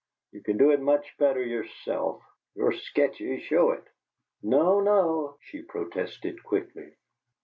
You can do it much better yourself your sketches show it." "No, no!" she protested, quickly.